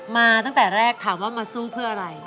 มาตั้งแต่แรกถามว่ามาสู้เพื่ออะไร